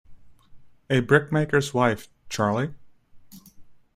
A brickmaker's wife, Charley?